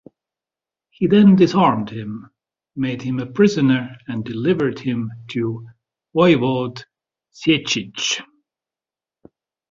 He then disarmed him, made him a prisoner, and delivered him to Voivode Sieciech.